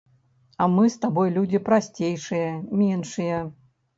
А мы з табой людзі прасцейшыя, меншыя.